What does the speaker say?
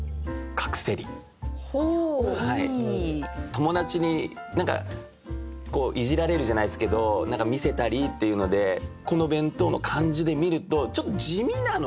友達に何かいじられるじゃないですけど何か見せたりっていうのでこの弁当の感じで見るとちょっと地味なのかな。